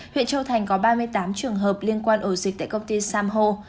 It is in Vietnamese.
huyện châu thành có ba mươi tám trường hợp liên quan ổ dịch tại công ty samho